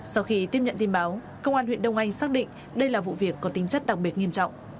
sau khi tiếp nhận tin báo công an huyện đông anh xác định đây là vụ việc có tính chất đặc biệt nghiêm trọng